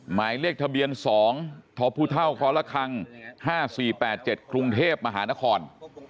หมายเลขทะเบียน๒ทพคละคัง๕๔๘๗กรุงเทพมหานคร